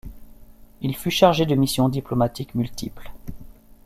Il fut chargé de missions diplomatiques multiples.